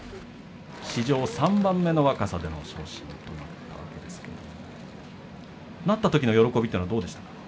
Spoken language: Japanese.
史上３番目の若さでの昇進となったわけですけどもなったときの喜びはどうでしたか。